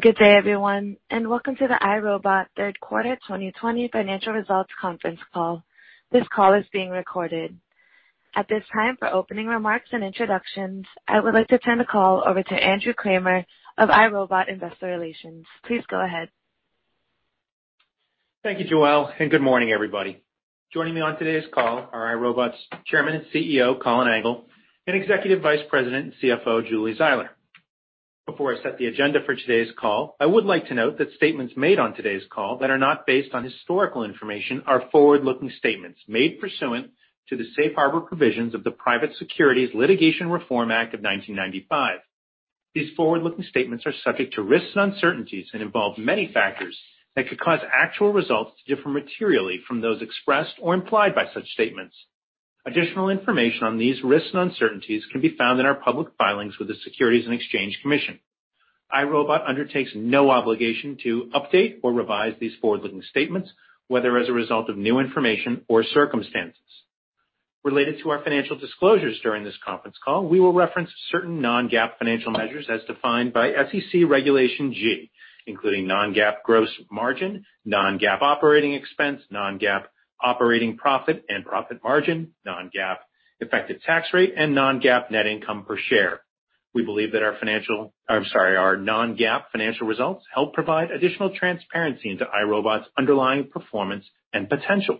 Good day, everyone, and welcome to the iRobot Third Quarter 2020 Financial Results conference call. This call is being recorded. At this time, for opening remarks and introductions, I would like to turn the call over to Andrew Kramer of iRobot Investor Relations. Please go ahead. Thank you, Joelle, and good morning, everybody. Joining me on today's call are iRobot's Chairman and CEO, Colin Angle, and Executive Vice President and CFO, Julie Zeiler. Before I set the agenda for today's call, I would like to note that statements made on today's call that are not based on historical information are forward-looking statements made pursuant to the Safe Harbor provisions of the Private Securities Litigation Reform Act of 1995. These forward-looking statements are subject to risks and uncertainties and involve many factors that could cause actual results to differ materially from those expressed or implied by such statements. Additional information on these risks and uncertainties can be found in our public filings with the Securities and Exchange Commission. iRobot undertakes no obligation to update or revise these forward-looking statements, whether as a result of new information or circumstances. Related to our financial disclosures during this conference call, we will reference certain non-GAAP financial measures as defined by SEC Regulation G, including non-GAAP gross margin, non-GAAP operating expense, non-GAAP operating profit and profit margin, non-GAAP effective tax rate, and non-GAAP net income per share. We believe that our financial, I'm sorry, our non-GAAP financial results help provide additional transparency into iRobot's underlying performance and potential.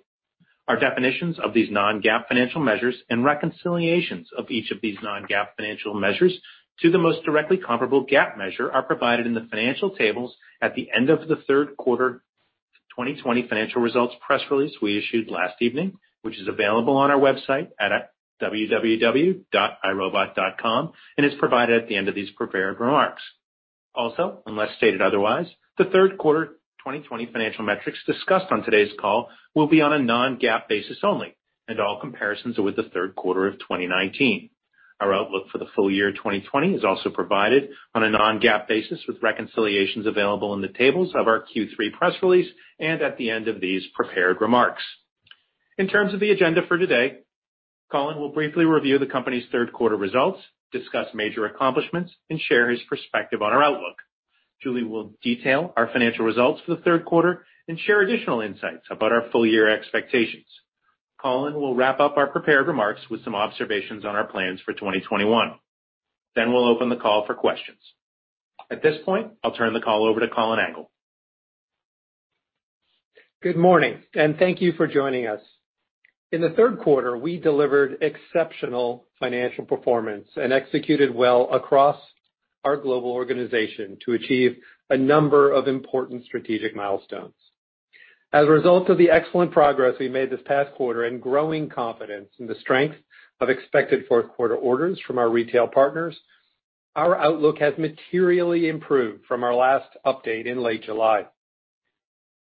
Our definitions of these non-GAAP financial measures and reconciliations of each of these non-GAAP financial measures to the most directly comparable GAAP measure are provided in the financial tables at the end of the third quarter 2020 Financial Results Press Release we issued last evening, which is available on our website at www.irobot.com and is provided at the end of these prepared remarks. Also, unless stated otherwise, the third quarter 2020 financial metrics discussed on today's call will be on a non-GAAP basis only, and all comparisons are with the third quarter of 2019. Our outlook for the full year 2020 is also provided on a non-GAAP basis with reconciliations available in the tables of our Q3 press release and at the end of these prepared remarks. In terms of the agenda for today, Colin will briefly review the company's third quarter results, discuss major accomplishments, and share his perspective on our outlook. Julie will detail our financial results for the third quarter and share additional insights about our full year expectations. Colin will wrap up our prepared remarks with some observations on our plans for 2021. Then we'll open the call for questions. At this point, I'll turn the call over to Colin Angle. Good morning, and thank you for joining us. In the third quarter, we delivered exceptional financial performance and executed well across our global organization to achieve a number of important strategic milestones. As a result of the excellent progress we made this past quarter and growing confidence in the strength of expected fourth quarter orders from our retail partners, our outlook has materially improved from our last update in late July.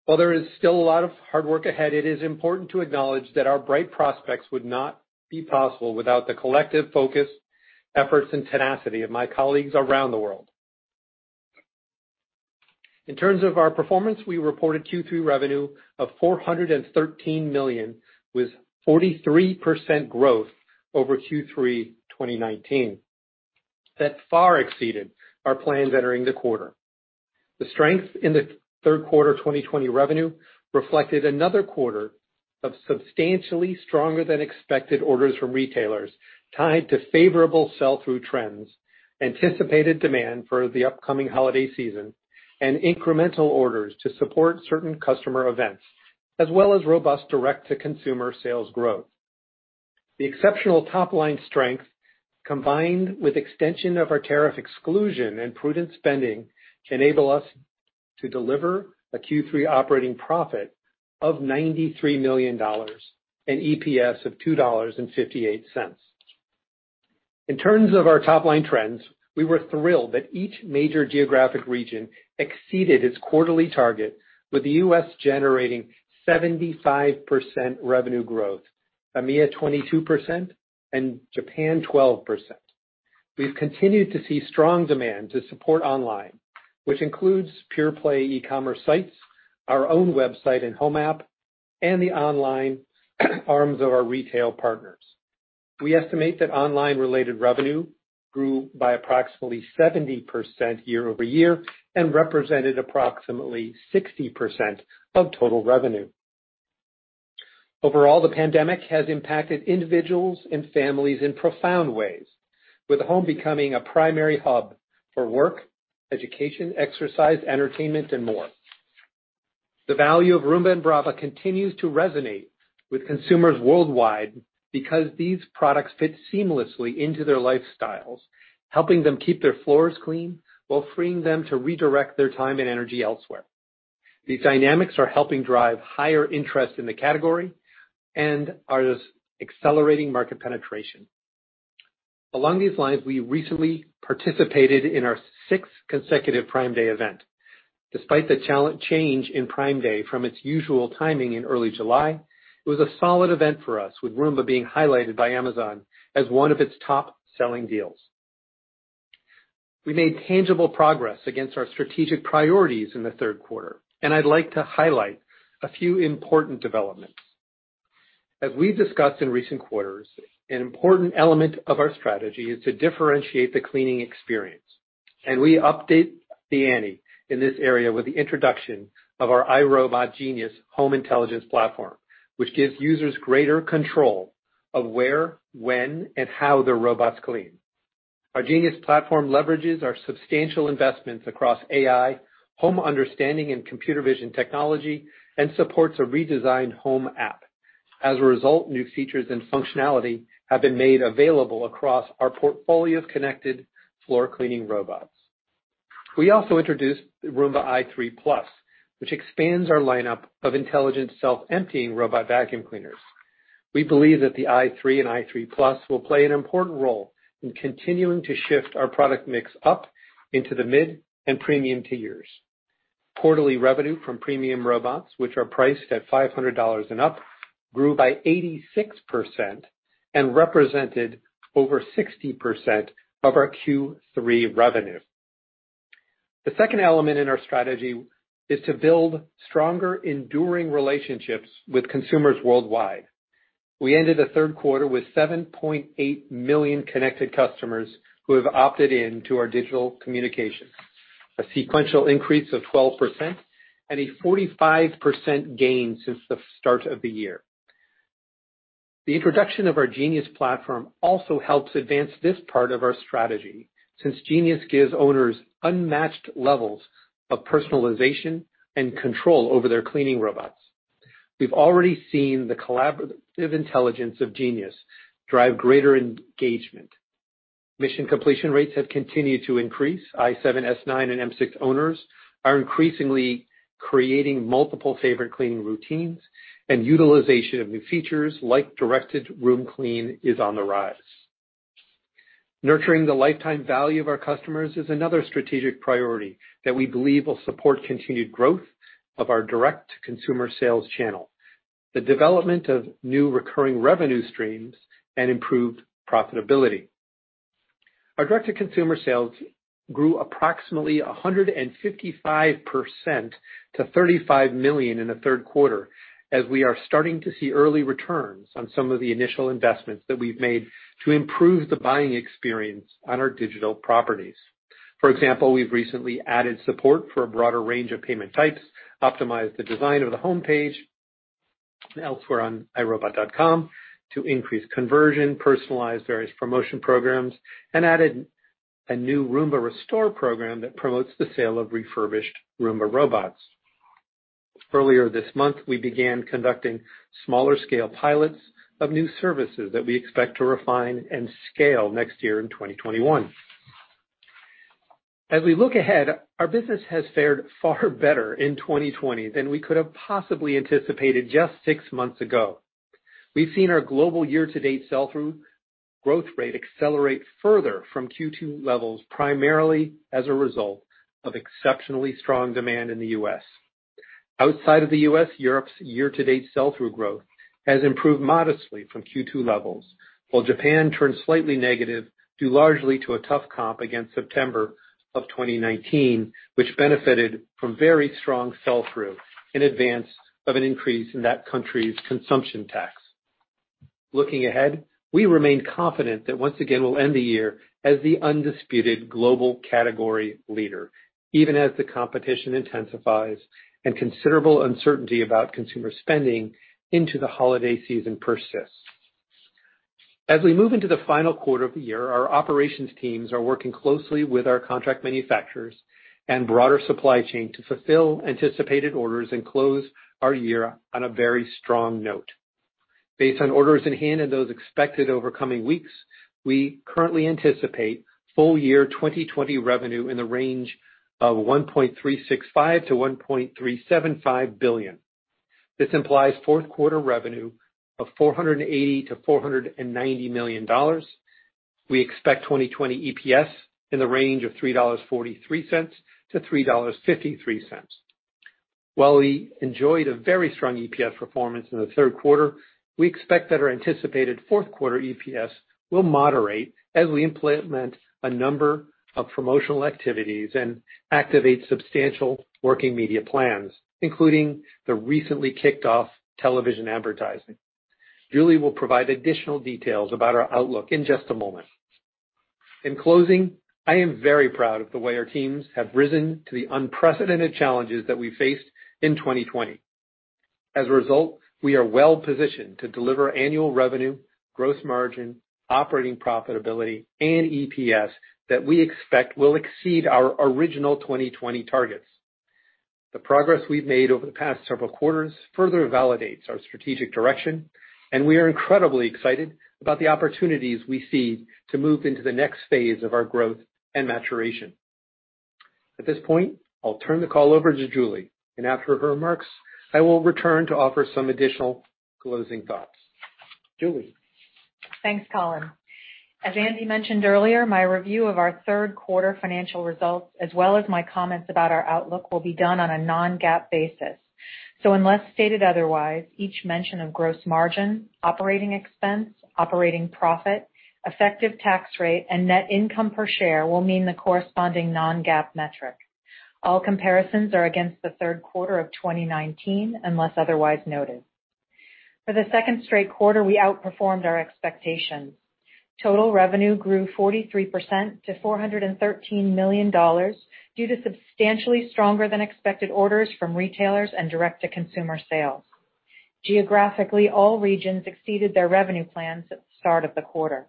While there is still a lot of hard work ahead, it is important to acknowledge that our bright prospects would not be possible without the collective focus, efforts, and tenacity of my colleagues around the world. In terms of our performance, we reported Q3 revenue of $413 million, with 43% growth over Q3 2019. That far exceeded our plans entering the quarter. The strength in the third quarter 2020 revenue reflected another quarter of substantially stronger-than-expected orders from retailers tied to favorable sell-through trends, anticipated demand for the upcoming holiday season, and incremental orders to support certain customer events, as well as robust direct-to-consumer sales growth. The exceptional top-line strength, combined with extension of our tariff exclusion and prudent spending, enabled us to deliver a Q3 operating profit of $93 million and EPS of $2.58. In terms of our top-line trends, we were thrilled that each major geographic region exceeded its quarterly target, with the U.S. generating 75% revenue growth, EMEA 22%, and Japan 12%. We've continued to see strong demand to support online, which includes pure-play e-commerce sites, our own website and home app, and the online arms of our retail partners. We estimate that online-related revenue grew by approximately 70% year-over-year and represented approximately 60% of total revenue. Overall, the pandemic has impacted individuals and families in profound ways, with home becoming a primary hub for work, education, exercise, entertainment, and more. The value of Roomba and Braava continues to resonate with consumers worldwide because these products fit seamlessly into their lifestyles, helping them keep their floors clean while freeing them to redirect their time and energy elsewhere. These dynamics are helping drive higher interest in the category and are accelerating market penetration. Along these lines, we recently participated in our sixth consecutive Prime Day event. Despite the challenging change in Prime Day from its usual timing in early July, it was a solid event for us, with Roomba being highlighted by Amazon as one of its top-selling deals. We made tangible progress against our strategic priorities in the third quarter, and I'd like to highlight a few important developments. As we've discussed in recent quarters, an important element of our strategy is to differentiate the cleaning experience, and we update the entry in this area with the introduction of our iRobot Genius Home Intelligence platform, which gives users greater control of where, when, and how their robots clean. Our Genius platform leverages our substantial investments across AI, home understanding, and computer vision technology, and supports a redesigned home app. As a result, new features and functionality have been made available across our portfolio of connected floor cleaning robots. We also introduced the Roomba i3+, which expands our lineup of intelligent self-emptying robot vacuum cleaners. We believe that the i3 and i3+ will play an important role in continuing to shift our product mix up into the mid and premium tiers. Quarterly revenue from premium robots, which are priced at $500 and up, grew by 86% and represented over 60% of our Q3 revenue. The second element in our strategy is to build stronger, enduring relationships with consumers worldwide. We ended the third quarter with 7.8 million connected customers who have opted in to our digital communications, a sequential increase of 12% and a 45% gain since the start of the year. The introduction of our Genius platform also helps advance this part of our strategy since Genius gives owners unmatched levels of personalization and control over their cleaning robots. We've already seen the collaborative intelligence of Genius drive greater engagement. Mission completion rates have continued to increase. i7, s9, and m6 owners are increasingly creating multiple favorite cleaning routines, and utilization of new features like directed room clean is on the rise. Nurturing the lifetime value of our customers is another strategic priority that we believe will support continued growth of our direct-to-consumer sales channel, the development of new recurring revenue streams, and improved profitability. Our direct-to-consumer sales grew approximately 155% to $35 million in the third quarter, as we are starting to see early returns on some of the initial investments that we've made to improve the buying experience on our digital properties. For example, we've recently added support for a broader range of payment types, optimized the design of the homepage and elsewhere on iRobot.com to increase conversion, personalized various promotion programs, and added a new Roomba Restore program that promotes the sale of refurbished Roomba robots. Earlier this month, we began conducting smaller-scale pilots of new services that we expect to refine and scale next year in 2021. As we look ahead, our business has fared far better in 2020 than we could have possibly anticipated just six months ago. We've seen our global year-to-date sell-through growth rate accelerate further from Q2 levels, primarily as a result of exceptionally strong demand in the U.S. Outside of the U.S., Europe's year-to-date sell-through growth has improved modestly from Q2 levels, while Japan turned slightly negative due largely to a tough comp against September of 2019, which benefited from very strong sell-through in advance of an increase in that country's consumption tax. Looking ahead, we remain confident that once again we'll end the year as the undisputed global category leader, even as the competition intensifies and considerable uncertainty about consumer spending into the holiday season persists. As we move into the final quarter of the year, our operations teams are working closely with our contract manufacturers and broader supply chain to fulfill anticipated orders and close our year on a very strong note. Based on orders in hand and those expected over coming weeks, we currently anticipate full year 2020 revenue in the range of $1.365 billion-$1.375 billion. This implies fourth quarter revenue of $480 million-$490 million. We expect 2020 EPS in the range of $3.43-$3.53. While we enjoyed a very strong EPS performance in the third quarter, we expect that our anticipated fourth quarter EPS will moderate as we implement a number of promotional activities and activate substantial working media plans, including the recently kicked-off television advertising. Julie will provide additional details about our outlook in just a moment. In closing, I am very proud of the way our teams have risen to the unprecedented challenges that we faced in 2020. As a result, we are well-positioned to deliver annual revenue, gross margin, operating profitability, and EPS that we expect will exceed our original 2020 targets. The progress we've made over the past several quarters further validates our strategic direction, and we are incredibly excited about the opportunities we see to move into the next phase of our growth and maturation. At this point, I'll turn the call over to Julie, and after her remarks, I will return to offer some additional closing thoughts. Julie. Thanks, Colin. As Andy mentioned earlier, my review of our third quarter financial results, as well as my comments about our outlook, will be done on a non-GAAP basis. So unless stated otherwise, each mention of gross margin, operating expense, operating profit, effective tax rate, and net income per share will mean the corresponding non-GAAP metric. All comparisons are against the third quarter of 2019, unless otherwise noted. For the second straight quarter, we outperformed our expectations. Total revenue grew 43% to $413 million due to substantially stronger-than-expected orders from retailers and direct-to-consumer sales. Geographically, all regions exceeded their revenue plans at the start of the quarter.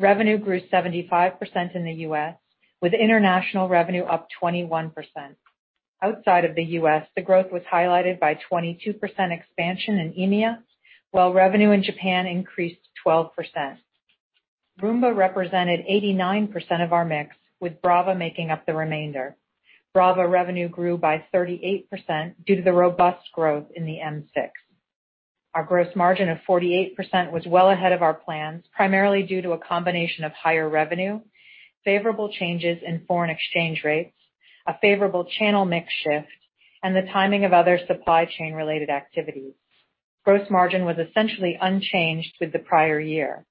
Revenue grew 75% in the U.S., with international revenue up 21%. Outside of the U.S., the growth was highlighted by 22% expansion in EMEA, while revenue in Japan increased 12%. Roomba represented 89% of our mix, with Braava making up the remainder. Braava revenue grew by 38% due to the robust growth in the m6. Our gross margin of 48% was well ahead of our plans, primarily due to a combination of higher revenue, favorable changes in foreign exchange rates, a favorable channel mix shift, and the timing of other supply chain-related activities. Gross margin was essentially unchanged with the prior year.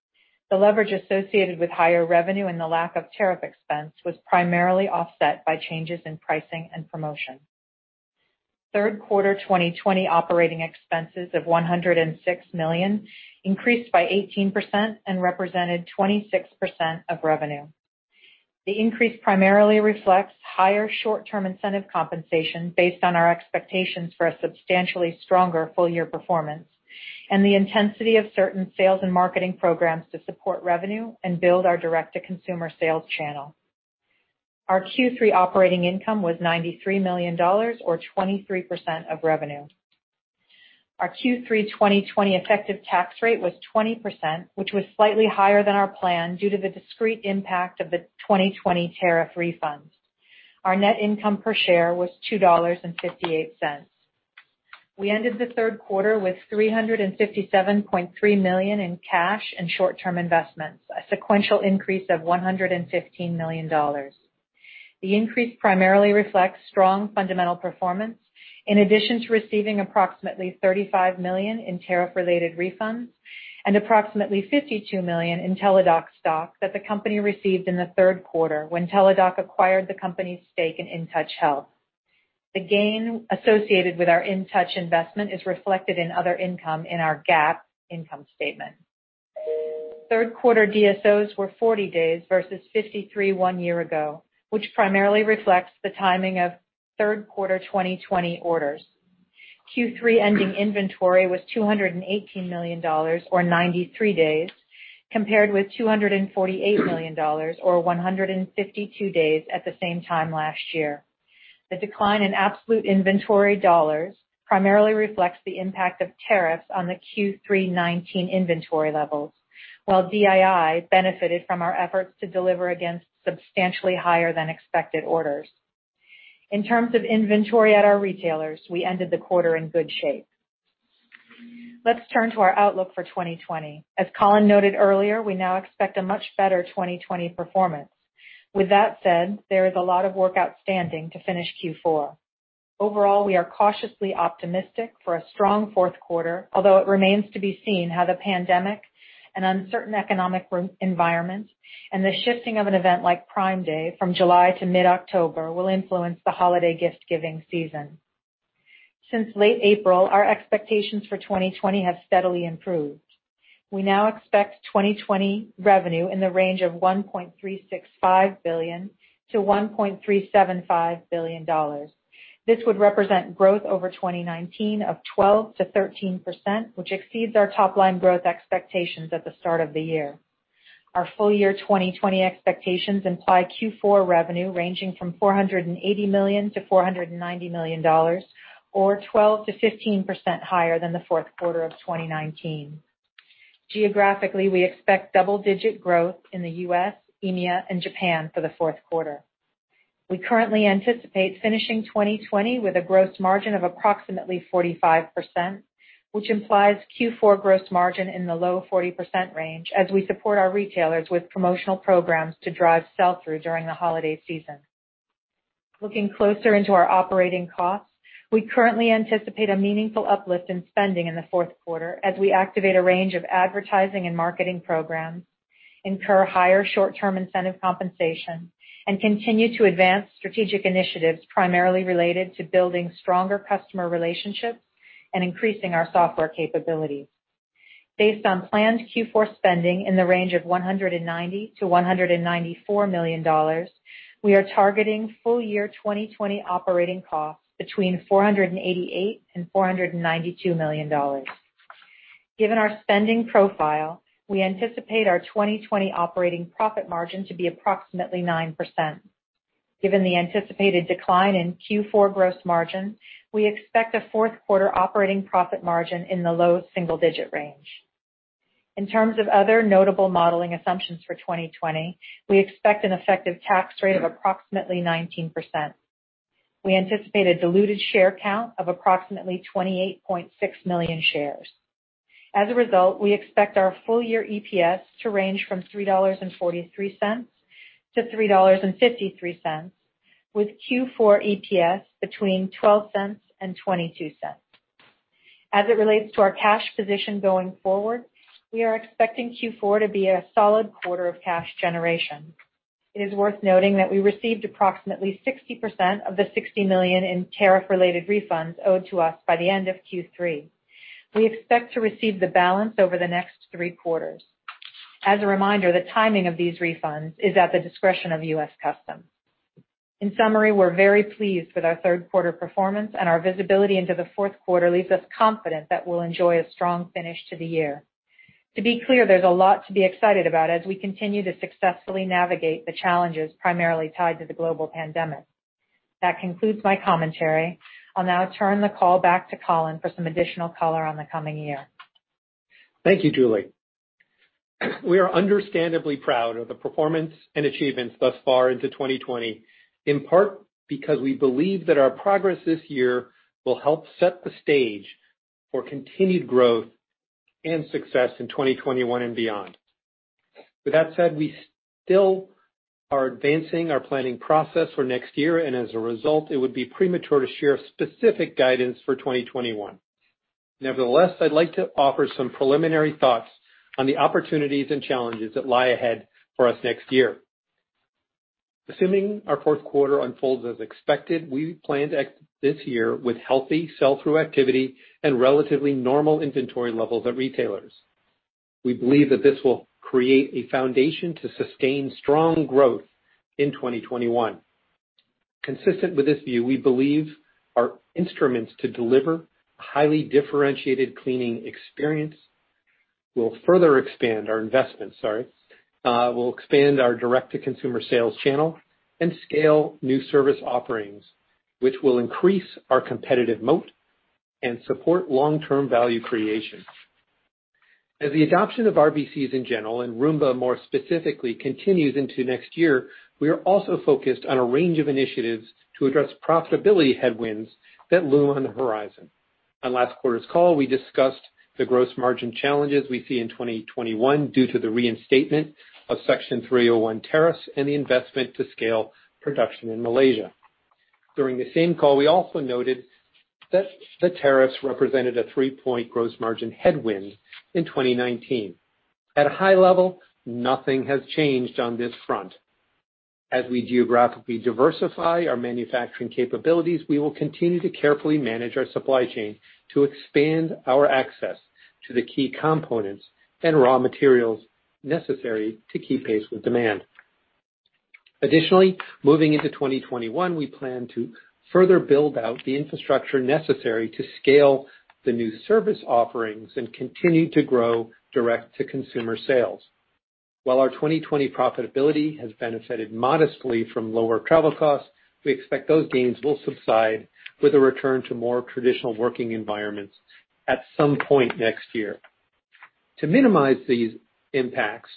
The leverage associated with higher revenue and the lack of tariff expense was primarily offset by changes in pricing and promotion. Third quarter 2020 operating expenses of $106 million increased by 18% and represented 26% of revenue. The increase primarily reflects higher short-term incentive compensation based on our expectations for a substantially stronger full-year performance and the intensity of certain sales and marketing programs to support revenue and build our direct-to-consumer sales channel. Our Q3 operating income was $93 million, or 23% of revenue. Our Q3 2020 effective tax rate was 20%, which was slightly higher than our plan due to the discrete impact of the 2020 tariff refund. Our net income per share was $2.58. We ended the third quarter with $357.3 million in cash and short-term investments, a sequential increase of $115 million. The increase primarily reflects strong fundamental performance, in addition to receiving approximately $35 million in tariff-related refunds and approximately $52 million in Teladoc stock that the company received in the third quarter when Teladoc acquired the company's stake in InTouch Health. The gain associated with our InTouch investment is reflected in other income in our GAAP income statement. Third quarter DSOs were 40 days versus 53 one year ago, which primarily reflects the timing of third quarter 2020 orders. Q3 ending inventory was $218 million, or 93 days, compared with $248 million, or 152 days at the same time last year. The decline in absolute inventory dollars primarily reflects the impact of tariffs on the Q3 2019 inventory levels, while DII benefited from our efforts to deliver against substantially higher-than-expected orders. In terms of inventory at our retailers, we ended the quarter in good shape. Let's turn to our outlook for 2020. As Colin noted earlier, we now expect a much better 2020 performance. With that said, there is a lot of work outstanding to finish Q4. Overall, we are cautiously optimistic for a strong fourth quarter, although it remains to be seen how the pandemic, an uncertain economic environment, and the shifting of an event like Prime Day from July to mid-October will influence the holiday gift-giving season. Since late April, our expectations for 2020 have steadily improved. We now expect 2020 revenue in the range of $1.365 billion-$1.375 billion. This would represent growth over 2019 of 12%-13%, which exceeds our top-line growth expectations at the start of the year. Our full year 2020 expectations imply Q4 revenue ranging from $480 million-$490 million, or 12%-15% higher than the fourth quarter of 2019. Geographically, we expect double-digit growth in the U.S., EMEA, and Japan for the fourth quarter. We currently anticipate finishing 2020 with a gross margin of approximately 45%, which implies Q4 gross margin in the low 40% range as we support our retailers with promotional programs to drive sell-through during the holiday season. Looking closer into our operating costs, we currently anticipate a meaningful uplift in spending in the fourth quarter as we activate a range of advertising and marketing programs, incur higher short-term incentive compensation, and continue to advance strategic initiatives primarily related to building stronger customer relationships and increasing our software capabilities. Based on planned Q4 spending in the range of $190 million-$194 million, we are targeting full year 2020 operating costs between $488 million and $492 million. Given our spending profile, we anticipate our 2020 operating profit margin to be approximately 9%. Given the anticipated decline in Q4 gross margin, we expect a fourth quarter operating profit margin in the low single-digit range. In terms of other notable modeling assumptions for 2020, we expect an effective tax rate of approximately 19%. We anticipate a diluted share count of approximately 28.6 million shares. As a result, we expect our full year EPS to range from $3.43-$3.53, with Q4 EPS between $0.12 and $0.22. As it relates to our cash position going forward, we are expecting Q4 to be a solid quarter of cash generation. It is worth noting that we received approximately 60% of the $60 million in tariff-related refunds owed to us by the end of Q3. We expect to receive the balance over the next three quarters. As a reminder, the timing of these refunds is at the discretion of U.S. Customs. In summary, we're very pleased with our third quarter performance, and our visibility into the fourth quarter leaves us confident that we'll enjoy a strong finish to the year. To be clear, there's a lot to be excited about as we continue to successfully navigate the challenges primarily tied to the global pandemic. That concludes my commentary. I'll now turn the call back to Colin for some additional color on the coming year. Thank you, Julie. We are understandably proud of the performance and achievements thus far into 2020, in part because we believe that our progress this year will help set the stage for continued growth and success in 2021 and beyond. With that said, we still are advancing our planning process for next year, and as a result, it would be premature to share specific guidance for 2021. Nevertheless, I'd like to offer some preliminary thoughts on the opportunities and challenges that lie ahead for us next year. Assuming our fourth quarter unfolds as expected, we plan to exit this year with healthy sell-through activity and relatively normal inventory levels at retailers. We believe that this will create a foundation to sustain strong growth in 2021. Consistent with this view, we believe our instruments to deliver a highly differentiated cleaning experience will further expand our investments, sorry, will expand our direct-to-consumer sales channel and scale new service offerings, which will increase our competitive moat and support long-term value creation. As the adoption of RVCs in general and Roomba more specifically continues into next year, we are also focused on a range of initiatives to address profitability headwinds that loom on the horizon. On last quarter's call, we discussed the gross margin challenges we see in 2021 due to the reinstatement of Section 301 tariffs and the investment to scale production in Malaysia. During the same call, we also noted that the tariffs represented a three-point gross margin headwind in 2019. At a high level, nothing has changed on this front. As we geographically diversify our manufacturing capabilities, we will continue to carefully manage our supply chain to expand our access to the key components and raw materials necessary to keep pace with demand. Additionally, moving into 2021, we plan to further build out the infrastructure necessary to scale the new service offerings and continue to grow direct-to-consumer sales. While our 2020 profitability has benefited modestly from lower travel costs, we expect those gains will subside with a return to more traditional working environments at some point next year. To minimize these impacts,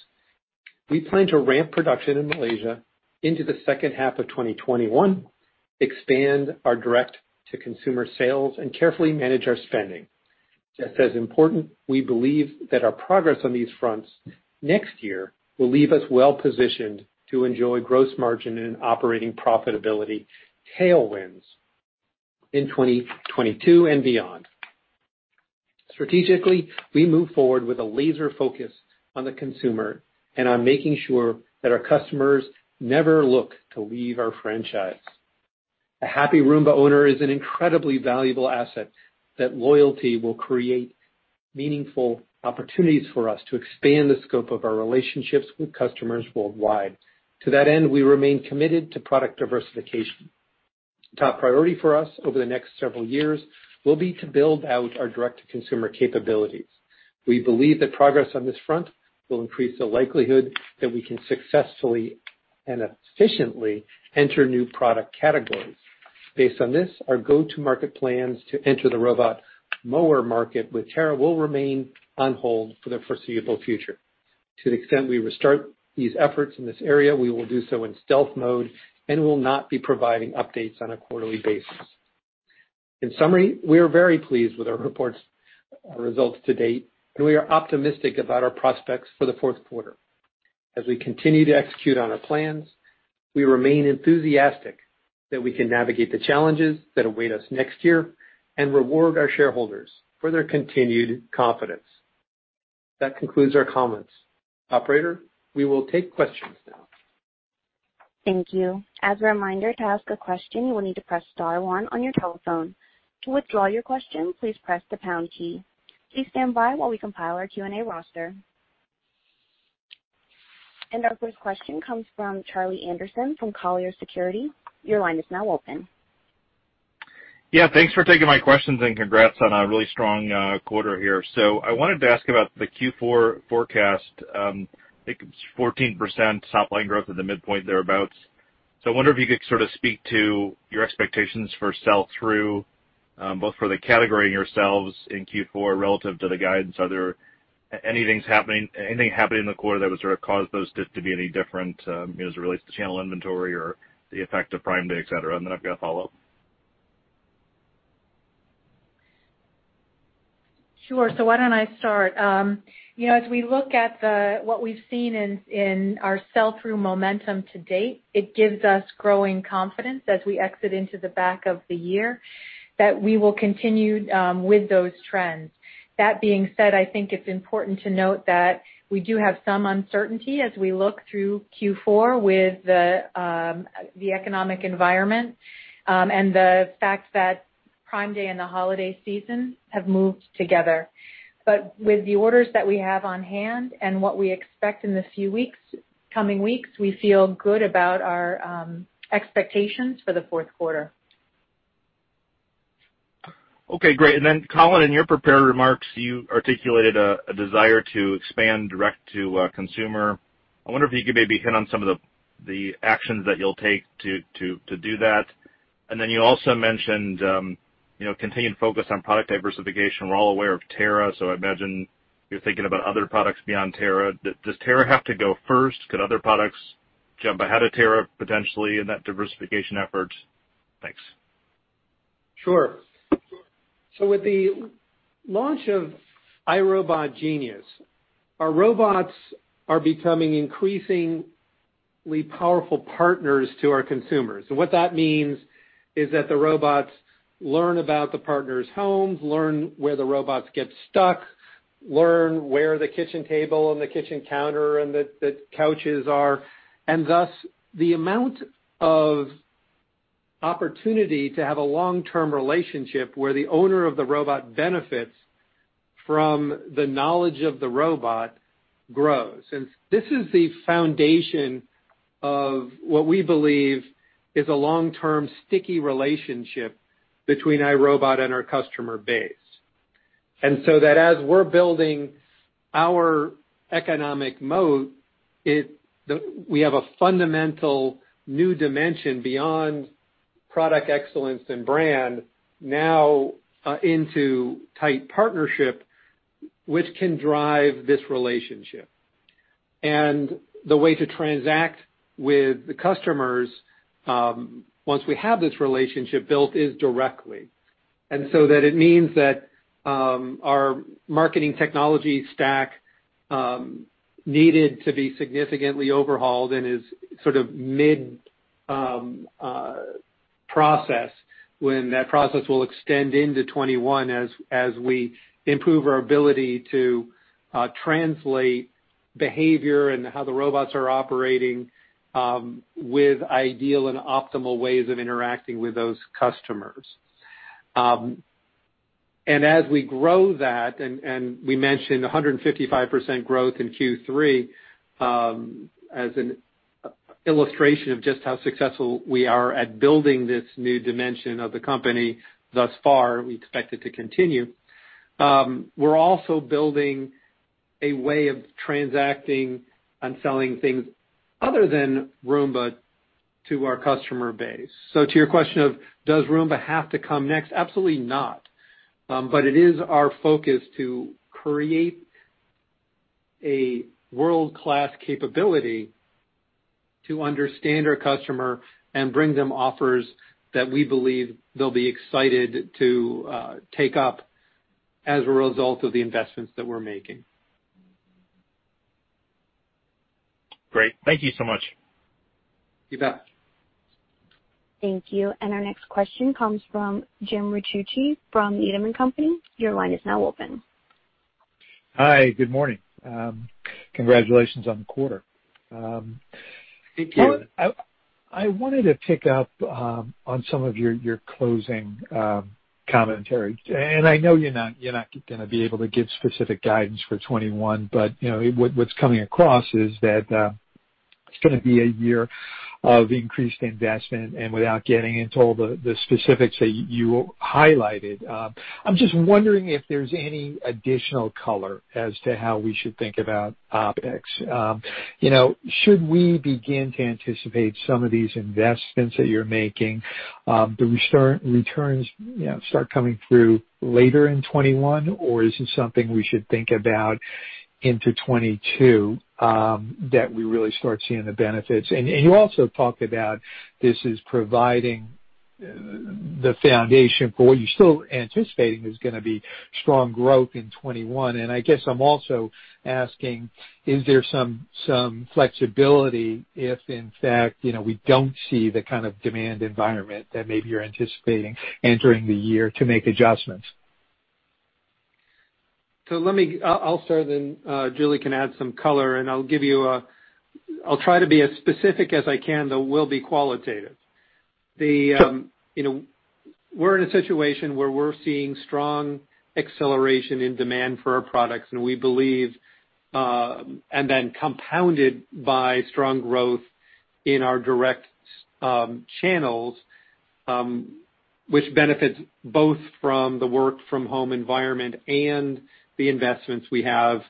we plan to ramp production in Malaysia into the second half of 2021, expand our direct-to-consumer sales, and carefully manage our spending. Just as important, we believe that our progress on these fronts next year will leave us well-positioned to enjoy gross margin and operating profitability tailwinds in 2022 and beyond. Strategically, we move forward with a laser focus on the consumer and on making sure that our customers never look to leave our franchise. A happy Roomba owner is an incredibly valuable asset that loyalty will create meaningful opportunities for us to expand the scope of our relationships with customers worldwide. To that end, we remain committed to product diversification. Top priority for us over the next several years will be to build out our direct-to-consumer capabilities. We believe that progress on this front will increase the likelihood that we can successfully and efficiently enter new product categories. Based on this, our go-to-market plans to enter the robot mower market with Terra will remain on hold for the foreseeable future. To the extent we restart these efforts in this area, we will do so in stealth mode and will not be providing updates on a quarterly basis. In summary, we are very pleased with our reported results to date, and we are optimistic about our prospects for the fourth quarter. As we continue to execute on our plans, we remain enthusiastic that we can navigate the challenges that await us next year and reward our shareholders for their continued confidence. That concludes our comments. Operator, we will take questions now. Thank you. As a reminder, to ask a question, you will need to press star one on your telephone. To withdraw your question, please press the pound key. Please stand by while we compile our Q&A roster, and our first question comes from Charlie Anderson from Colliers Securities. Your line is now open. Yeah, thanks for taking my questions and congrats on a really strong quarter here. So I wanted to ask about the Q4 forecast. I think it's 14% top-line growth at the midpoint thereabouts. So I wonder if you could sort of speak to your expectations for sell-through, both for the category and yourselves in Q4 relative to the guidance. Are there anything happening in the quarter that would sort of cause those to be any different as it relates to channel inventory or the effect of Prime Day, etc.? And then I've got a follow-up. Sure. So why don't I start? As we look at what we've seen in our sell-through momentum to date, it gives us growing confidence as we exit into the back of the year that we will continue with those trends. That being said, I think it's important to note that we do have some uncertainty as we look through Q4 with the economic environment and the fact that Prime Day and the holiday season have moved together. But with the orders that we have on hand and what we expect in the few coming weeks, we feel good about our expectations for the fourth quarter. Okay, great. And then, Colin, in your prepared remarks, you articulated a desire to expand direct-to-consumer. I wonder if you could maybe hit on some of the actions that you'll take to do that. And then you also mentioned continued focus on product diversification. We're all aware of Terra, so I imagine you're thinking about other products beyond Terra. Does Terra have to go first? Could other products jump ahead of Terra potentially in that diversification effort? Thanks. Sure. So with the launch of iRobot Genius, our robots are becoming increasingly powerful partners to our consumers. And what that means is that the robots learn about the partner's homes, learn where the robots get stuck, learn where the kitchen table and the kitchen counter and the couches are, and thus the amount of opportunity to have a long-term relationship where the owner of the robot benefits from the knowledge of the robot grows. And this is the foundation of what we believe is a long-term sticky relationship between iRobot and our customer base. And so that as we're building our economic moat, we have a fundamental new dimension beyond product excellence and brand now into tight partnership, which can drive this relationship. And the way to transact with the customers once we have this relationship built is directly. And so that it means that our marketing technology stack needed to be significantly overhauled and is sort of mid-process when that process will extend into 2021 as we improve our ability to translate behavior and how the robots are operating with ideal and optimal ways of interacting with those customers. And as we grow that, and we mentioned 155% growth in Q3 as an illustration of just how successful we are at building this new dimension of the company thus far, we expect it to continue. We're also building a way of transacting and selling things other than Roomba to our customer base. So to your question of does Roomba have to come next? Absolutely not. It is our focus to create a world-class capability to understand our customer and bring them offers that we believe they'll be excited to take up as a result of the investments that we're making. Great. Thank you so much. You bet. Thank you. Our next question comes from Jim Ricchiuti from Needham & Company. Your line is now open. Hi, good morning. Congratulations on the quarter. Thank you. I wanted to pick up on some of your closing commentary, and I know you're not going to be able to give specific guidance for 2021, but what's coming across is that it's going to be a year of increased investment, and without getting into all the specifics that you highlighted. I'm just wondering if there's any additional color as to how we should think about OpEx. Should we begin to anticipate some of these investments that you're making, the returns start coming through later in 2021, or is it something we should think about into 2022 that we really start seeing the benefits? And you also talked about this is providing the foundation for what you're still anticipating is going to be strong growth in 2021. I guess I'm also asking, is there some flexibility if, in fact, we don't see the kind of demand environment that maybe you're anticipating entering the year to make adjustments? So I'll start, then Julie can add some color, and I'll give you. I'll try to be as specific as I can, though it will be qualitative. We're in a situation where we're seeing strong acceleration in demand for our products, and we believe, and then compounded by strong growth in our direct channels, which benefits both from the work-from-home environment and the investments we have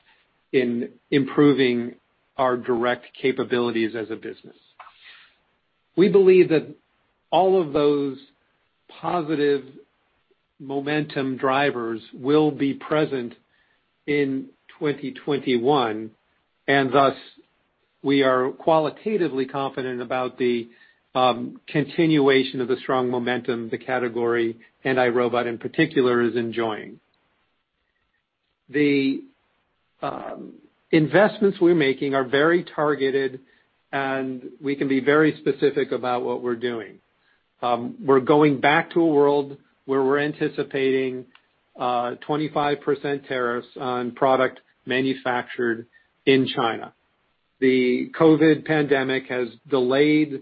in improving our direct capabilities as a business. We believe that all of those positive momentum drivers will be present in 2021, and thus we are qualitatively confident about the continuation of the strong momentum the category and iRobot in particular is enjoying. The investments we're making are very targeted, and we can be very specific about what we're doing. We're going back to a world where we're anticipating 25% tariffs on product manufactured in China. The COVID pandemic has delayed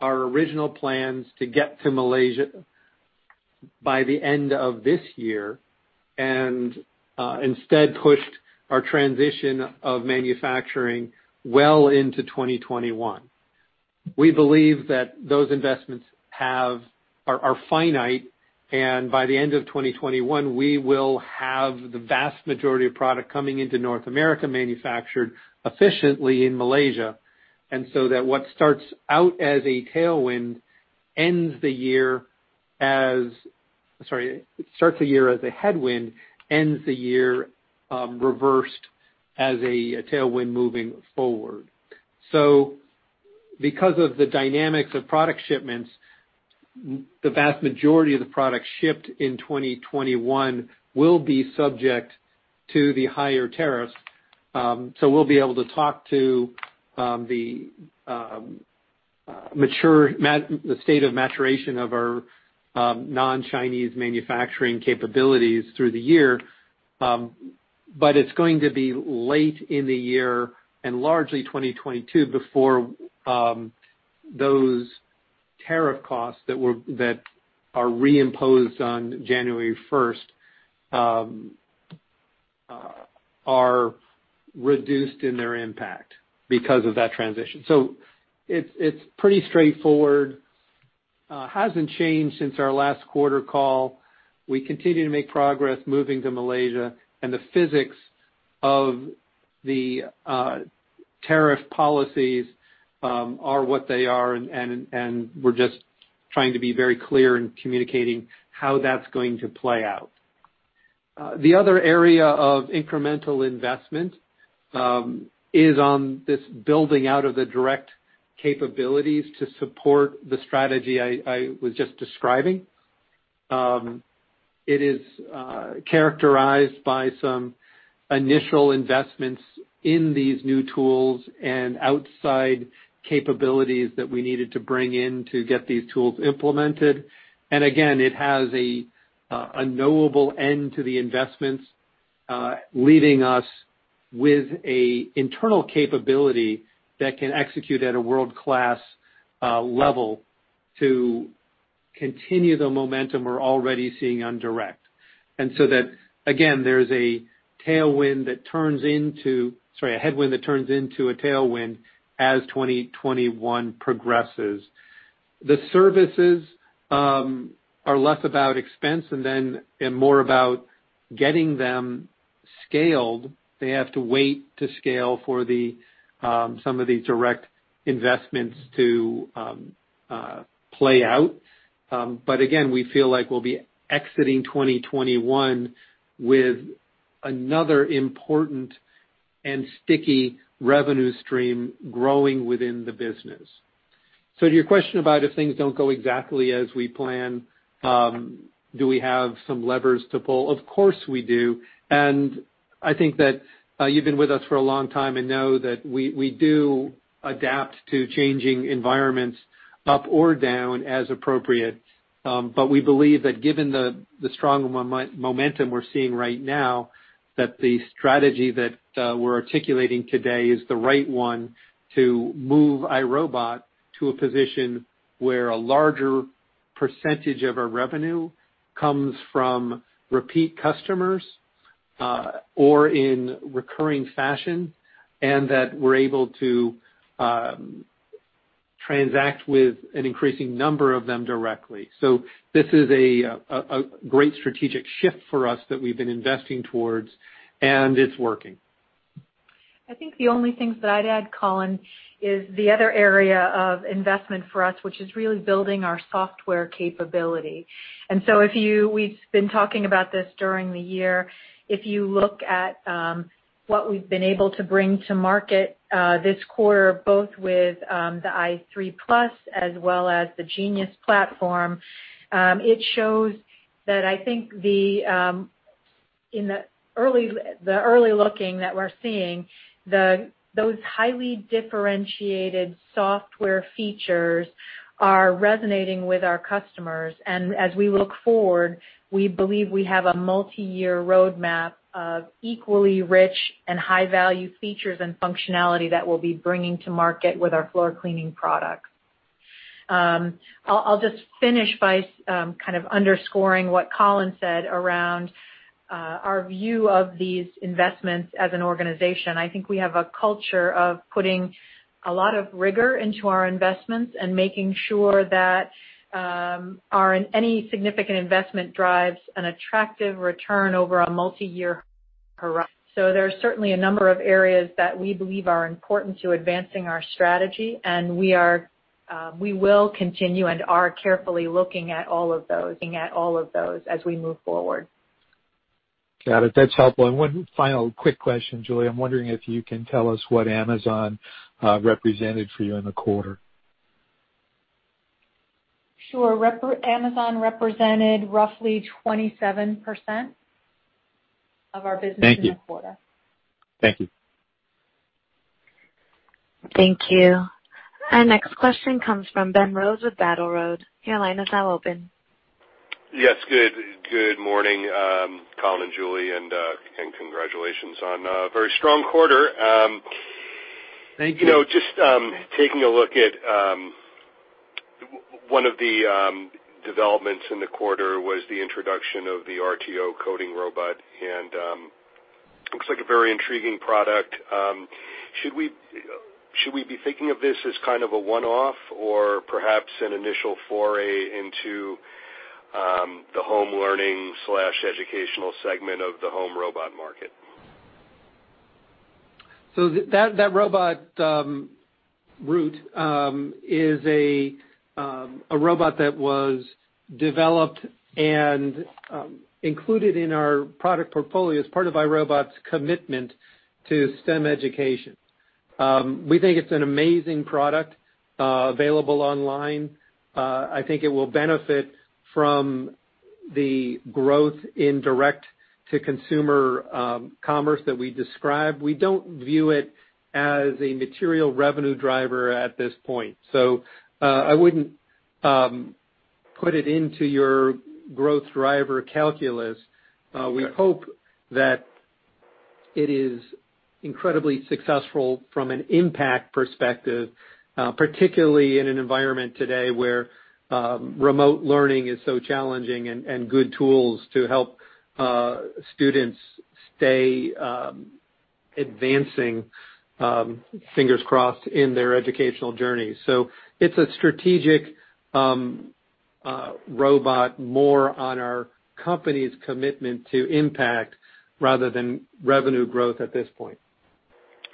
our original plans to get to Malaysia by the end of this year and instead pushed our transition of manufacturing well into 2021. We believe that those investments are finite, and by the end of 2021, we will have the vast majority of product coming into North America manufactured efficiently in Malaysia. And so that what starts out as a tailwind ends the year as. Sorry, it starts the year as a headwind, ends the year reversed as a tailwind moving forward. So because of the dynamics of product shipments, the vast majority of the product shipped in 2021 will be subject to the higher tariffs. So we'll be able to talk to the state of maturation of our non-Chinese manufacturing capabilities through the year. But it's going to be late in the year and largely 2022 before those tariff costs that are reimposed on January 1st are reduced in their impact because of that transition. So it's pretty straightforward. It hasn't changed since our last quarter call. We continue to make progress moving to Malaysia, and the physics of the tariff policies are what they are, and we're just trying to be very clear in communicating how that's going to play out. The other area of incremental investment is on this building out of the direct capabilities to support the strategy I was just describing. It is characterized by some initial investments in these new tools and outside capabilities that we needed to bring in to get these tools implemented. And again, it has a knowable end to the investments, leaving us with an internal capability that can execute at a world-class level to continue the momentum we're already seeing on direct. And so that, again, there's a tailwind that turns into, sorry, a headwind that turns into a tailwind as 2021 progresses. The services are less about expense and then more about getting them scaled. They have to wait to scale for some of these direct investments to play out. But again, we feel like we'll be exiting 2021 with another important and sticky revenue stream growing within the business. So to your question about if things don't go exactly as we plan, do we have some levers to pull? Of course we do. And I think that you've been with us for a long time and know that we do adapt to changing environments up or down as appropriate. But we believe that given the strong momentum we're seeing right now, that the strategy that we're articulating today is the right one to move iRobot to a position where a larger percentage of our revenue comes from repeat customers or in recurring fashion, and that we're able to transact with an increasing number of them directly. So this is a great strategic shift for us that we've been investing towards, and it's working. I think the only things that I'd add, Colin, is the other area of investment for us, which is really building our software capability. And so we've been talking about this during the year. If you look at what we've been able to bring to market this quarter, both with the i3+ as well as the Genius platform, it shows that I think in the early looking that we're seeing, those highly differentiated software features are resonating with our customers, and as we look forward, we believe we have a multi-year roadmap of equally rich and high-value features and functionality that we'll be bringing to market with our floor cleaning products. I'll just finish by kind of underscoring what Colin said around our view of these investments as an organization. I think we have a culture of putting a lot of rigor into our investments and making sure that any significant investment drives an attractive return over a multi-year horizon. So there are certainly a number of areas that we believe are important to advancing our strategy, and we will continue and are carefully looking at all of those as we move forward. Got it. That's helpful. And one final quick question, Julie. I'm wondering if you can tell us what Amazon represented for you in the quarter? Sure. Amazon represented roughly 27% of our business in the quarter. Thank you. Thank you. Thank you. And next question comes from Ben Rose with Battle Road. Your line is now open. Yes. Good morning, Colin and Julie, and congratulations on a very strong quarter. Thank you. Just taking a look at one of the developments in the quarter was the introduction of the Root or rt0 coding robot, and it looks like a very intriguing product. Should we be thinking of this as kind of a one-off or perhaps an initial foray into the home learning/educational segment of the home robot market? That robot, Root is a robot that was developed and included in our product portfolio as part of iRobot's commitment to STEM education. We think it's an amazing product available online. I think it will benefit from the growth in direct-to-consumer commerce that we describe. We don't view it as a material revenue driver at this point. So I wouldn't put it into your growth driver calculus. We hope that it is incredibly successful from an impact perspective, particularly in an environment today where remote learning is so challenging and good tools to help students stay advancing, fingers crossed, in their educational journey. So it's a strategic robot more on our company's commitment to impact rather than revenue growth at this point.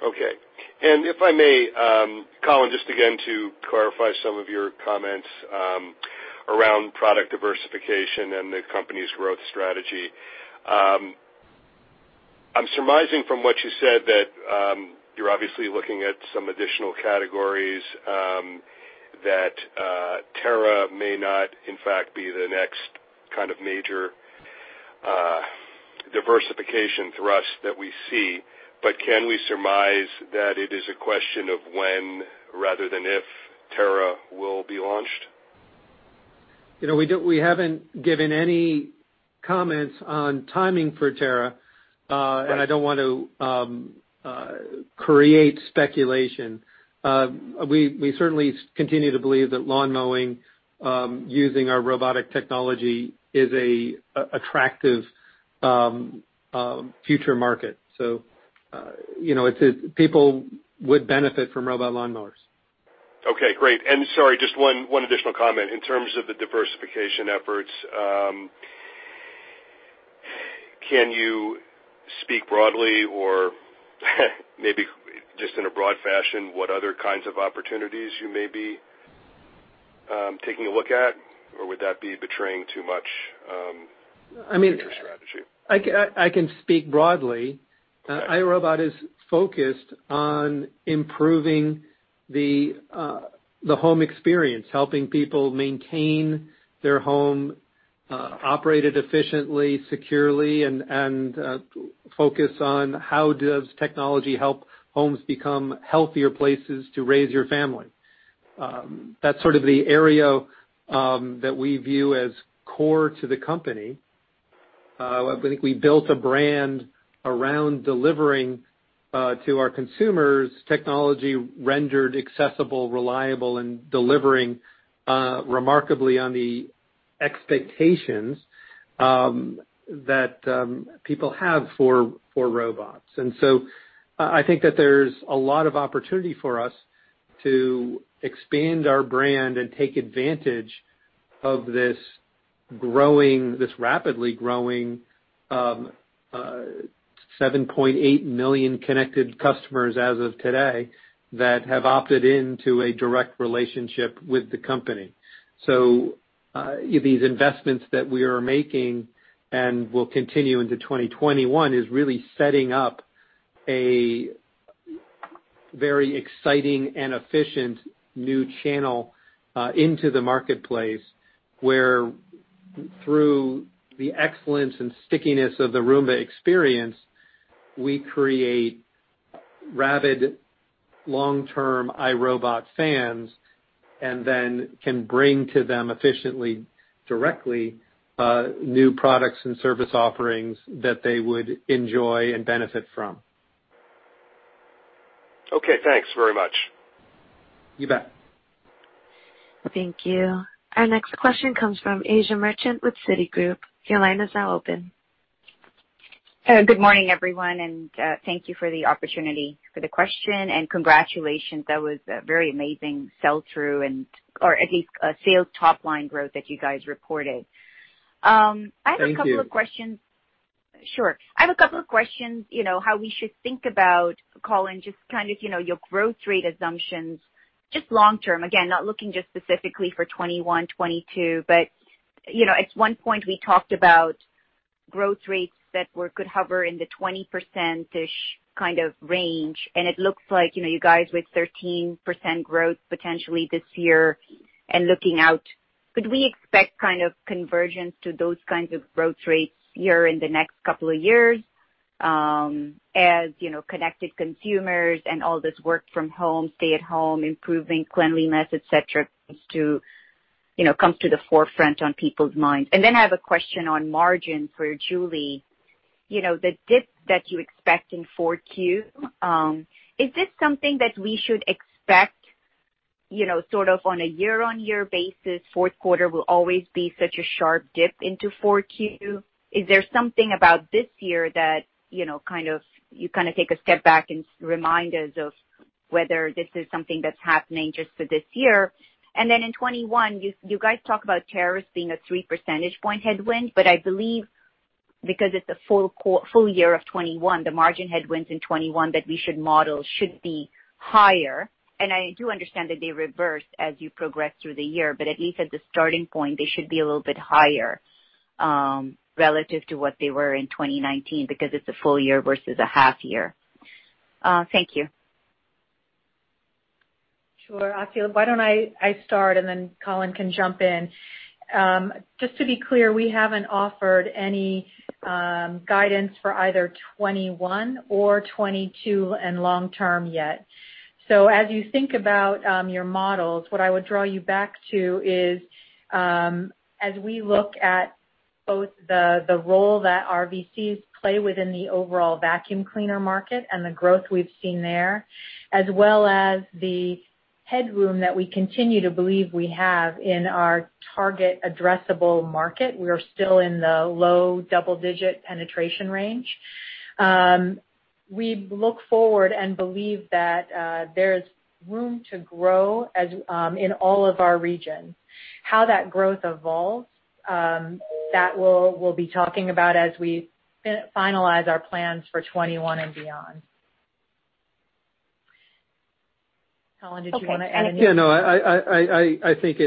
Okay. And if I may, Colin, just again to clarify some of your comments around product diversification and the company's growth strategy. I'm surmising from what you said that you're obviously looking at some additional categories that Terra may not, in fact, be the next kind of major diversification thrust that we see. But can we surmise that it is a question of when rather than if Terra will be launched? We haven't given any comments on timing for Terra, and I don't want to create speculation. We certainly continue to believe that lawn mowing using our robotic technology is an attractive future market. So people would benefit from robot lawn mowers. Okay. Great. And sorry, just one additional comment. In terms of the diversification efforts, can you speak broadly or maybe just in a broad fashion what other kinds of opportunities you may be taking a look at, or would that be betraying too much future strategy? I can speak broadly. iRobot is focused on improving the home experience, helping people maintain their home, operate it efficiently, securely, and focus on how does technology help homes become healthier places to raise your family. That's sort of the area that we view as core to the company. I think we built a brand around delivering to our consumers technology rendered accessible, reliable, and delivering remarkably on the expectations that people have for robots, and so I think that there's a lot of opportunity for us to expand our brand and take advantage of this rapidly growing 7.8 million connected customers as of today that have opted into a direct relationship with the company. So these investments that we are making and will continue into 2021 is really setting up a very exciting and efficient new channel into the marketplace where, through the excellence and stickiness of the Roomba experience, we create rabid long-term iRobot fans and then can bring to them efficiently, directly, new products and service offerings that they would enjoy and benefit from. Okay. Thanks very much. You bet. Thank you. Our next question comes from Asiya Merchant with Citigroup. Your line is now open. Good morning, everyone, and thank you for the opportunity for the question and congratulations. That was a very amazing sell-through and, or at least, sales top-line growth that you guys reported. Thank you. I have a couple of questions. Sure. Sure. I have a couple of questions how we should think about, Colin, just kind of your growth rate assumptions just long-term. Again, not looking just specifically for 2021, 2022, but at one point, we talked about growth rates that could hover in the 20%-ish kind of range. And it looks like you guys with 13% growth potentially this year and looking out, could we expect kind of convergence to those kinds of growth rates here in the next couple of years as connected consumers and all this work from home, stay-at-home, improving cleanliness, etc., comes to the forefront on people's minds? And then I have a question on margin for Julie. The dip that you expect in 4Q, is this something that we should expect sort of on a year-on-year basis? Fourth quarter will always be such a sharp dip into 4Q. Is there something about this year that kind of, you kind of take a step back and remind us of whether this is something that's happening just for this year? And then in 2021, you guys talk about tariffs being a three percentage-point headwind, but I believe because it's a full year of 2021, the margin headwinds in 2021 that we should model should be higher. And I do understand that they reverse as you progress through the year, but at least at the starting point, they should be a little bit higher relative to what they were in 2019 because it's a full year versus a half year. Thank you. Sure. Actually, why don't I start, and then Colin can jump in. Just to be clear, we haven't offered any guidance for either 2021 or 2022 and long-term yet. So as you think about your models, what I would draw you back to is as we look at both the role that RVCs play within the overall vacuum cleaner market and the growth we've seen there, as well as the headroom that we continue to believe we have in our target addressable market. We're still in the low double-digit penetration range. We look forward and believe that there is room to grow in all of our regions. How that growth evolves, that we'll be talking about as we finalize our plans for 2021 and beyond. Colin, did you want to add anything? Yeah. No, I think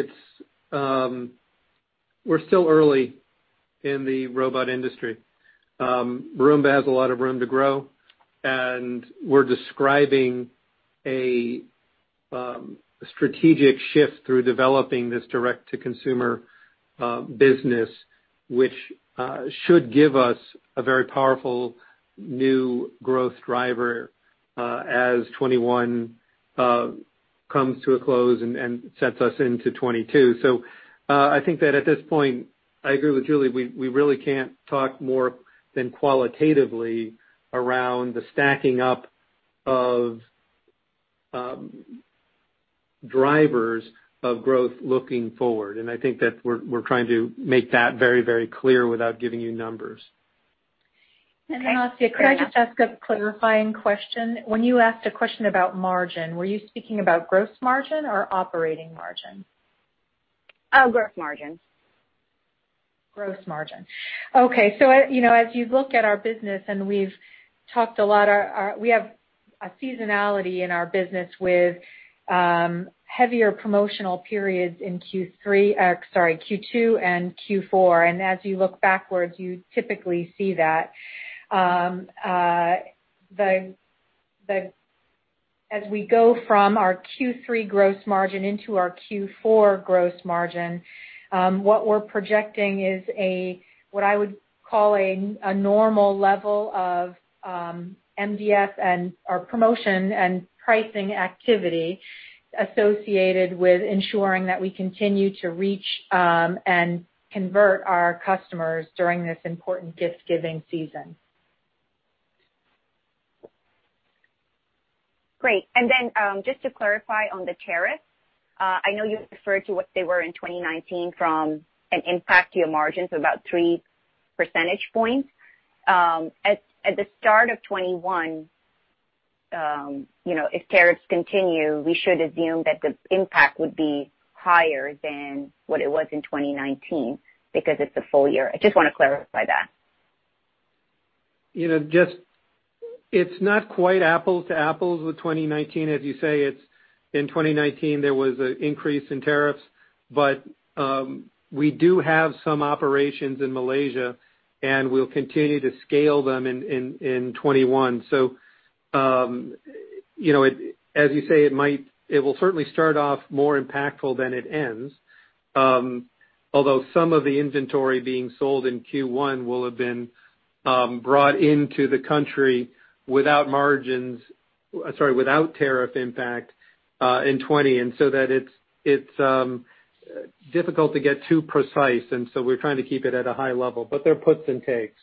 we're still early in the robot industry. Roomba has a lot of room to grow, and we're describing a strategic shift through developing this direct-to-consumer business, which should give us a very powerful new growth driver as 2021 comes to a close and sets us into 2022. So I think that at this point, I agree with Julie. We really can't talk more than qualitatively around the stacking up of drivers of growth looking forward. And I think that we're trying to make that very, very clear without giving you numbers. And then I'll ask you a question. Can I just ask a clarifying question? When you asked a question about margin, were you speaking about gross margin or operating margin? Oh, gross margin. Gross margin. Okay. So as you look at our business, and we've talked a lot, we have a seasonality in our business with heavier promotional periods in Q3, sorry, Q2 and Q4. And as you look backwards, you typically see that. As we go from our Q3 gross margin into our Q4 gross margin, what we're projecting is what I would call a normal level of MDF and/or promotion and pricing activity associated with ensuring that we continue to reach and convert our customers during this important gift-giving season. Great. And then just to clarify on the tariffs, I know you referred to what they were in 2019 from an impact to your margins of about 3 percentage points. At the start of 2021, if tariffs continue, we should assume that the impact would be higher than what it was in 2019 because it's a full year. I just want to clarify that. Just, it's not quite apples to apples with 2019. As you say, in 2019, there was an increase in tariffs, but we do have some operations in Malaysia, and we'll continue to scale them in 2021. So as you say, it will certainly start off more impactful than it ends, although some of the inventory being sold in Q1 will have been brought into the country without margins, sorry, without tariff impact, in 2020. And so it's difficult to get too precise, and so we're trying to keep it at a high level. But there are puts and takes.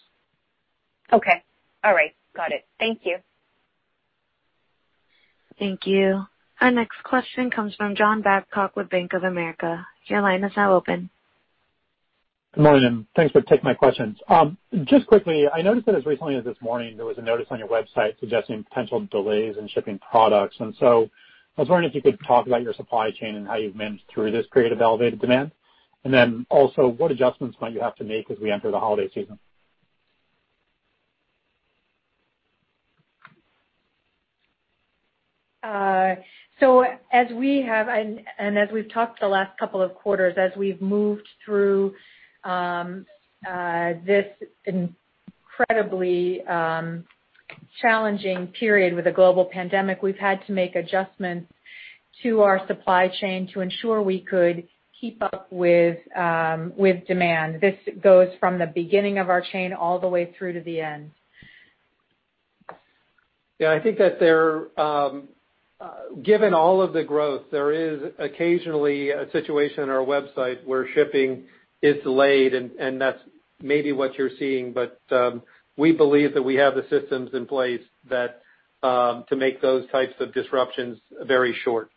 Okay. All right. Got it. Thank you. Thank you. Our next question comes from John Babcock with Bank of America. Your line is now open. Good morning. Thanks for taking my questions. Just quickly, I noticed that as recently as this morning, there was a notice on your website suggesting potential delays in shipping products. And so I was wondering if you could talk about your supply chain and how you've managed through this period of elevated demand. And then also, what adjustments might you have to make as we enter the holiday season? As we have and as we've talked the last couple of quarters, as we've moved through this incredibly challenging period with a global pandemic, we've had to make adjustments to our supply chain to ensure we could keep up with demand. This goes from the beginning of our chain all the way through to the end. Yeah. I think that given all of the growth, there is occasionally a situation on our website where shipping is delayed, and that's maybe what you're seeing. But we believe that we have the systems in place to make those types of disruptions very short.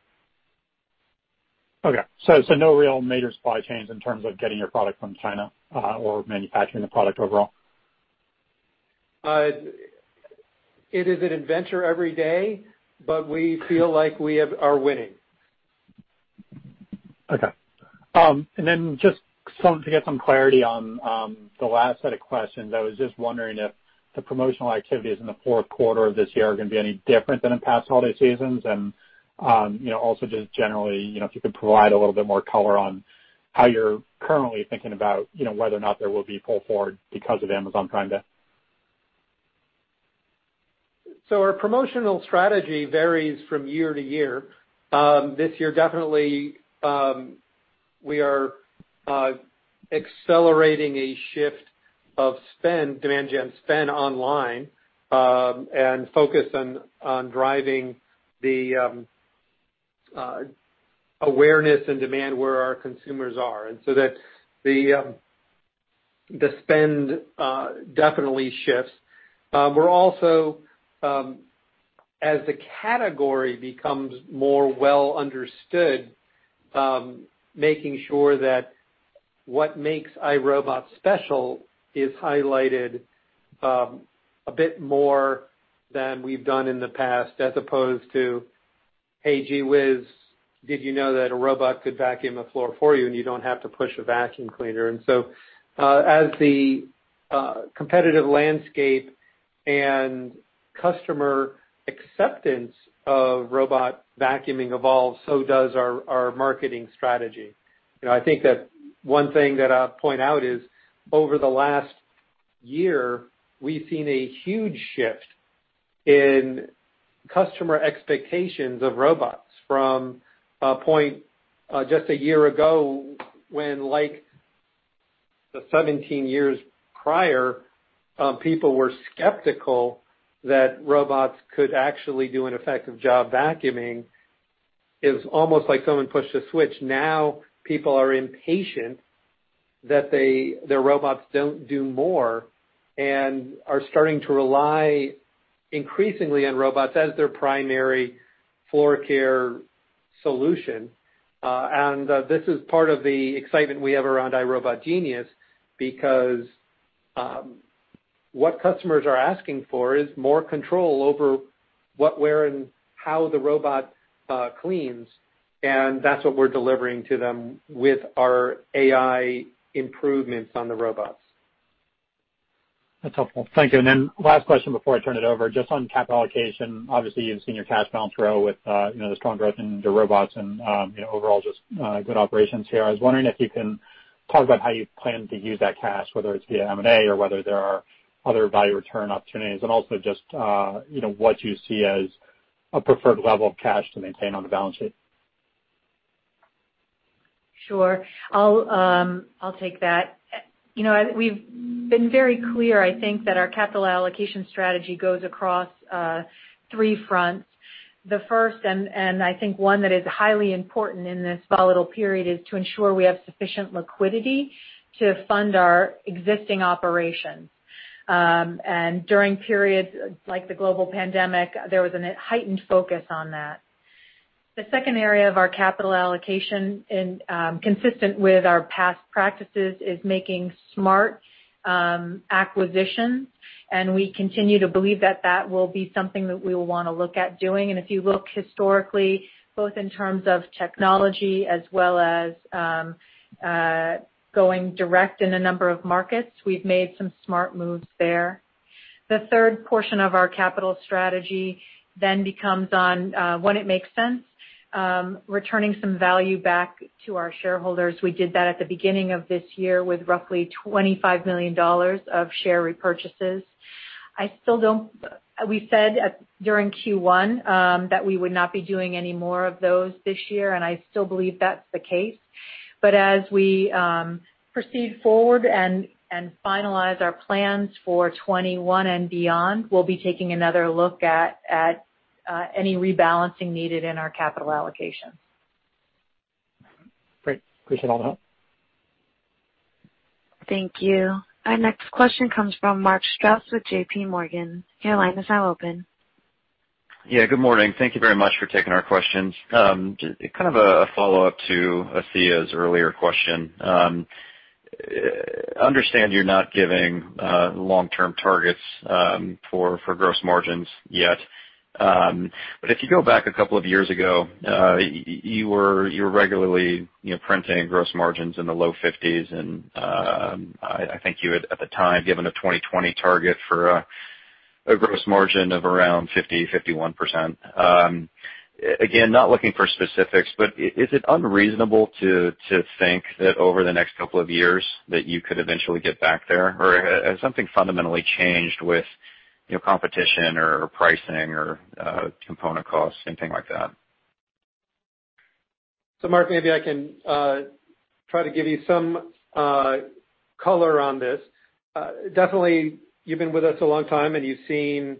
Okay. So no real major supply chains in terms of getting your product from China or manufacturing the product overall? It is an adventure every day, but we feel like we are winning. Okay. And then just to get some clarity on the last set of questions, I was just wondering if the promotional activities in the fourth quarter of this year are going to be any different than in past holiday seasons. And also just generally, if you could provide a little bit more color on how you're currently thinking about whether or not there will be pull forward because of Amazon trying to. Our promotional strategy varies from year to year. This year, definitely, we are accelerating a shift of demand gen spend online and focus on driving the awareness and demand where our consumers are. And so that the spend definitely shifts. We're also, as the category becomes more well understood, making sure that what makes iRobot special is highlighted a bit more than we've done in the past as opposed to, "Hey, gee whiz, did you know that a robot could vacuum a floor for you and you don't have to push a vacuum cleaner?" And so as the competitive landscape and customer acceptance of robot vacuuming evolves, so does our marketing strategy. I think that one thing that I'll point out is over the last year, we've seen a huge shift in customer expectations of robots from a point just a year ago when, like the 17 years prior, people were skeptical that robots could actually do an effective job vacuuming. It's almost like someone pushed a switch. Now people are impatient that their robots don't do more and are starting to rely increasingly on robots as their primary floor care solution. And this is part of the excitement we have around iRobot Genius because what customers are asking for is more control over what, where, and how the robot cleans. And that's what we're delivering to them with our AI improvements on the robots. That's helpful. Thank you. And then last question before I turn it over. Just on cash allocation, obviously, you've seen your cash balance grow with the strong growth in your robots and overall just good operations here. I was wondering if you can talk about how you plan to use that cash, whether it's via M&A or whether there are other value return opportunities, and also just what you see as a preferred level of cash to maintain on the balance sheet. Sure. I'll take that. We've been very clear, I think, that our capital allocation strategy goes across three fronts. The first, and I think one that is highly important in this volatile period, is to ensure we have sufficient liquidity to fund our existing operations. During periods like the global pandemic, there was a heightened focus on that. The second area of our capital allocation, consistent with our past practices, is making smart acquisitions. We continue to believe that that will be something that we will want to look at doing. If you look historically, both in terms of technology as well as going direct in a number of markets, we've made some smart moves there. The third portion of our capital strategy then becomes on when it makes sense, returning some value back to our shareholders. We did that at the beginning of this year with roughly $25 million of share repurchases. I still don't. We said during Q1 that we would not be doing any more of those this year, and I still believe that's the case. But as we proceed forward and finalize our plans for 2021 and beyond, we'll be taking another look at any rebalancing needed in our capital allocations. Great. Appreciate all the help. Thank you. Our next question comes from Mark Strouse with JPMorgan. Your line is now open. Yeah. Good morning. Thank you very much for taking our questions. Kind of a follow-up to Asiya's earlier question. I understand you're not giving long-term targets for gross margins yet. But if you go back a couple of years ago, you were regularly printing gross margins in the low 50s. And I think you had, at the time, given a 2020 target for a gross margin of around 50%-51%. Again, not looking for specifics, but is it unreasonable to think that over the next couple of years that you could eventually get back there? Or has something fundamentally changed with competition or pricing or component costs, anything like that? So Mark, maybe I can try to give you some color on this. Definitely, you've been with us a long time, and you've seen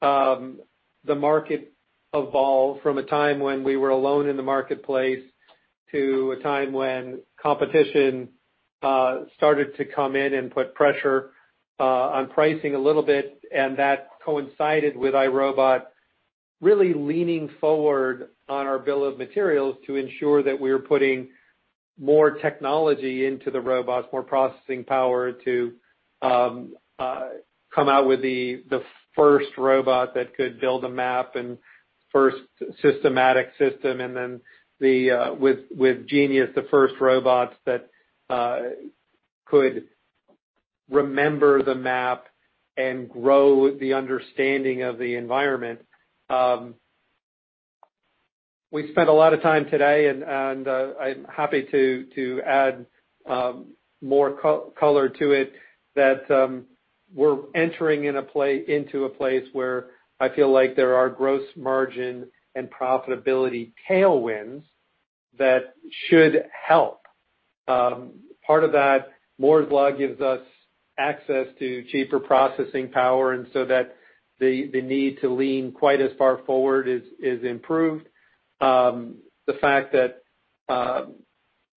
the market evolve from a time when we were alone in the marketplace to a time when competition started to come in and put pressure on pricing a little bit. And that coincided with iRobot really leaning forward on our bill of materials to ensure that we were putting more technology into the robots, more processing power to come out with the first robot that could build a map and first systematic system. And then with Genius, the first robots that could remember the map and grow the understanding of the environment. We spent a lot of time today, and I'm happy to add more color to it that we're entering into a place where I feel like there are gross margin and profitability tailwinds that should help. Part of that, Moore's Law gives us access to cheaper processing power, and so that the need to lean quite as far forward is improved. The fact that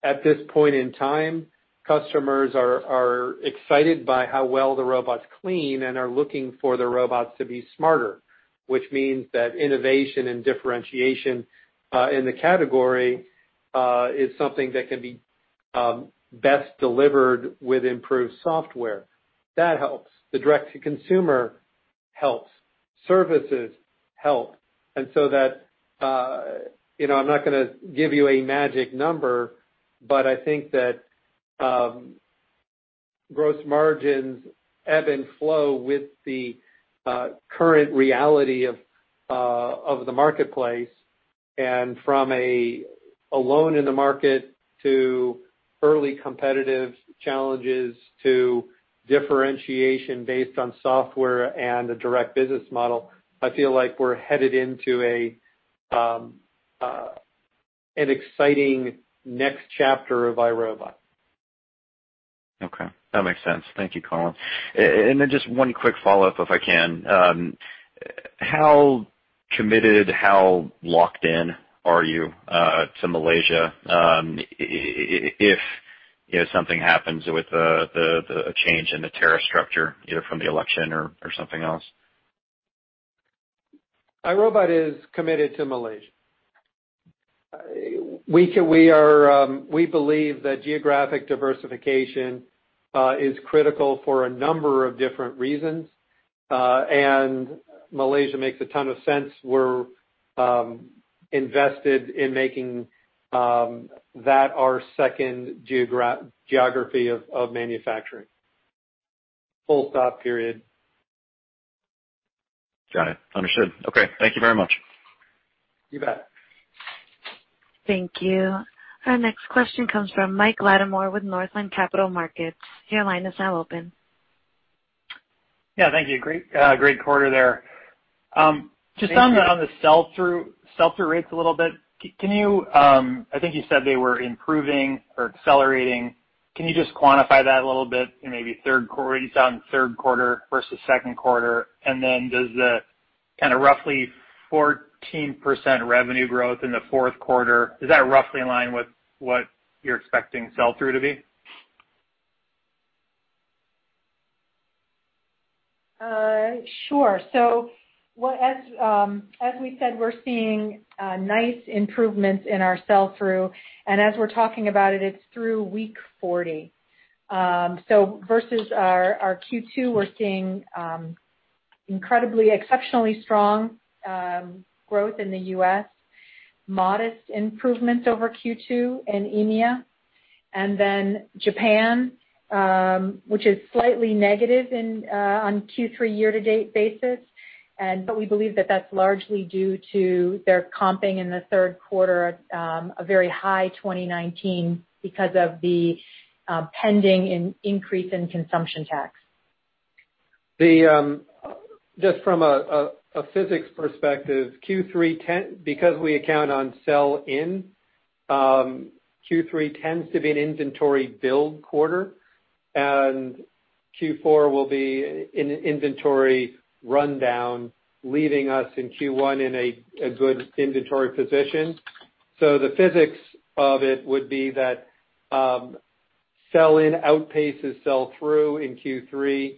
at this point in time, customers are excited by how well the robots clean and are looking for the robots to be smarter, which means that innovation and differentiation in the category is something that can be best delivered with improved software. That helps. The direct-to-consumer helps. Services help. And so that I'm not going to give you a magic number, but I think that gross margins ebb and flow with the current reality of the marketplace. From the low end of the market to early competitive challenges to differentiation based on software and a direct business model, I feel like we're headed into an exciting next chapter of iRobot. Okay. That makes sense. Thank you, Colin. And then just one quick follow-up, if I can. How committed, how locked in are you to Malaysia if something happens with a change in the tariff structure either from the election or something else? iRobot is committed to Malaysia. We believe that geographic diversification is critical for a number of different reasons. And Malaysia makes a ton of sense. We're invested in making that our second geography of manufacturing. Full stop, period. Got it. Understood. Okay. Thank you very much. You bet. Thank you. Our next question comes from Mike Latimore with Northland Capital Markets. Your line is now open. Yeah. Thank you. Great quarter there. Just on the sell-through rates a little bit, I think you said they were improving or accelerating. Can you just quantify that a little bit in maybe third quarter? You said on third quarter versus second quarter. And then does the kind of roughly 14% revenue growth in the fourth quarter, is that roughly in line with what you're expecting sell-through to be? Sure. So as we said, we're seeing nice improvements in our sell-through. And as we're talking about it, it's through week 40. So versus our Q2, we're seeing incredibly exceptionally strong growth in the U.S., modest improvements over Q2 in EMEA. And then Japan, which is slightly negative on Q3 year-to-date basis. But we believe that that's largely due to their comping in the third quarter, a very high 2019 because of the pending increase in consumption tax. Just from a physics perspective, Q3, because we account on sell-in, Q3 tends to be an inventory build quarter, and Q4 will be an inventory rundown, leaving us in Q1 in a good inventory position, so the physics of it would be that sell-in outpaces sell-through in Q3,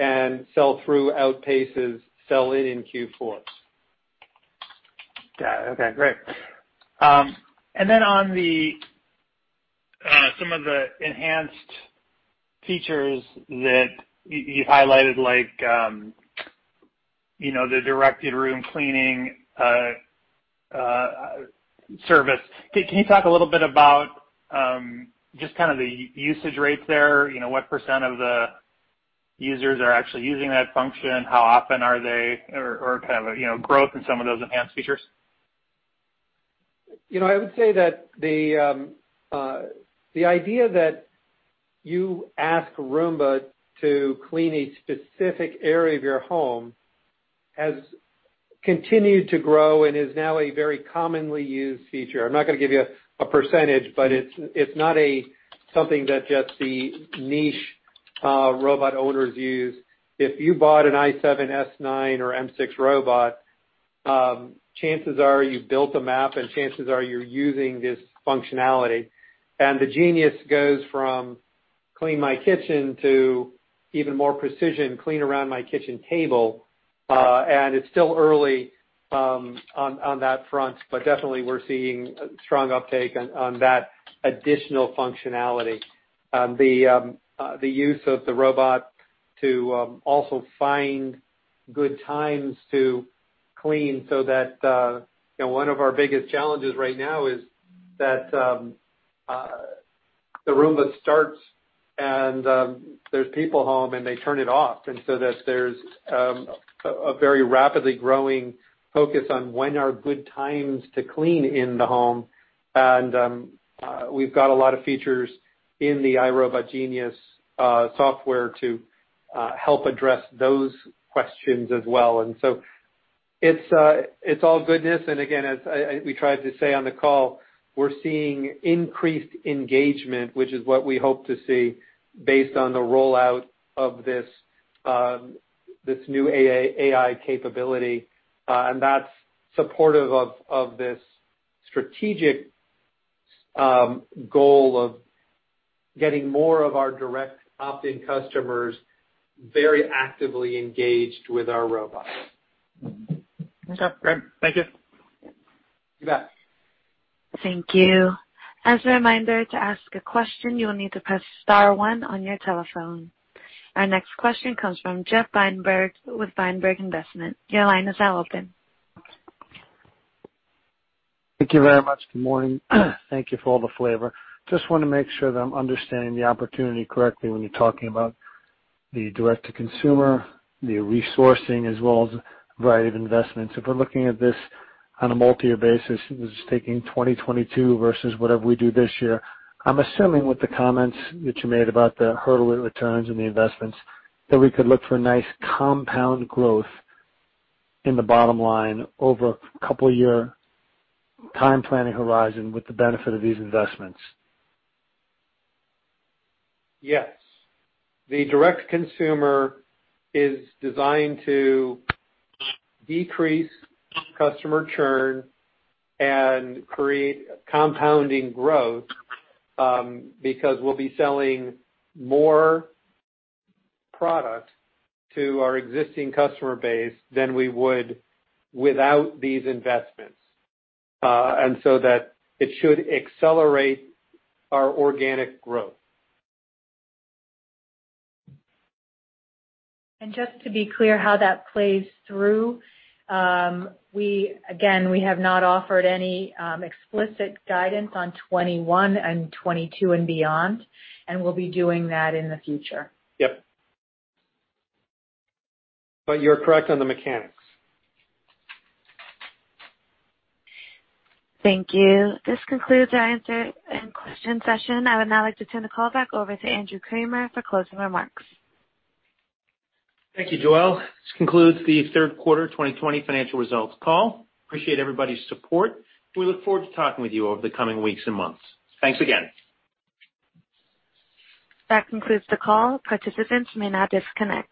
and sell-through outpaces sell-in in Q4. Got it. Okay. Great. And then on some of the enhanced features that you've highlighted, like the directed room cleaning service, can you talk a little bit about just kind of the usage rates there? What percent of the users are actually using that function? How often are they or kind of growth in some of those enhanced features? I would say that the idea that you ask Roomba to clean a specific area of your home has continued to grow and is now a very commonly used feature. I'm not going to give you a percentage, but it's not something that just the niche robot owners use. If you bought an i7, s9, or m6 robot, chances are you built a map, and chances are you're using this functionality, and the Genius goes from clean my kitchen to even more precision, clean around my kitchen table, and it's still early on that front, but definitely we're seeing strong uptake on that additional functionality. The use of the robot to also find good times to clean, so that one of our biggest challenges right now is that the Roomba starts and there's people home and they turn it off. And so there's a very rapidly growing focus on when are good times to clean in the home. And we've got a lot of features in the iRobot Genius software to help address those questions as well. And so it's all goodness. And again, as we tried to say on the call, we're seeing increased engagement, which is what we hope to see based on the rollout of this new AI capability. And that's supportive of this strategic goal of getting more of our direct opt-in customers very actively engaged with our robots. Okay. Great. Thank you. You bet. Thank you. As a reminder, to ask a question, you'll need to press star one on your telephone. Our next question comes from Jeff Feinberg with Feinberg Investments. Your line is now open. Thank you very much. Good morning. Thank you for all the flavor. Just want to make sure that I'm understanding the opportunity correctly when you're talking about the direct-to-consumer, the resourcing, as well as a variety of investments. If we're looking at this on a multi-year basis, this is taking 2022 versus whatever we do this year. I'm assuming with the comments that you made about the hurdle it returns and the investments, that we could look for nice compound growth in the bottom line over a couple-year time planning horizon with the benefit of these investments. Yes. The direct-to-consumer is designed to decrease customer churn and create compounding growth because we'll be selling more product to our existing customer base than we would without these investments, and so that it should accelerate our organic growth. Just to be clear how that plays through, again, we have not offered any explicit guidance on 2021 and 2022 and beyond, and we'll be doing that in the future. Yep. But you're correct on the mechanics. Thank you. This concludes our answer and question session. I would now like to turn the call back over to Andrew Kramer for closing remarks. Thank you, Joelle. This concludes the Third Quarter 2020 Financial Results call. Appreciate everybody's support. We look forward to talking with you over the coming weeks and months. Thanks again. That concludes the call. Participants may now disconnect.